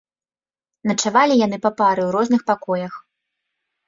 Начавалі яны па пары ў розных пакоях.